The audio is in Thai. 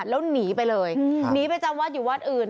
แล้วหนีไปเลยหนีไปจำวัดอยู่วัดอื่น